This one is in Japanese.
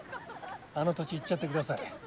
あの土地いっちゃってください。